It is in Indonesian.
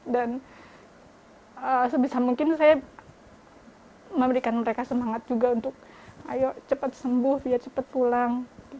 dan sebisa mungkin saya memberikan mereka semangat juga untuk ayo cepat sembuh biar cepat pulang